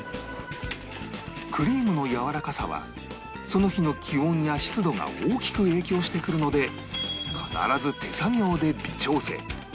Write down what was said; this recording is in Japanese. クリームのやわらかさはその日の気温や湿度が大きく影響してくるので必ず手作業で微調整